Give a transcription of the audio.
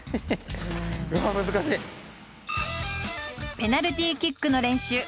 ペナルティーキックの練習。